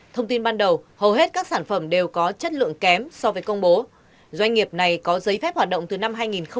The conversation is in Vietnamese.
thông tin ban đầu hầu hết các sản phẩm đều có chất lượng kém so với công bố doanh nghiệp này có giấy phép hoạt động từ năm hai nghìn một mươi bảy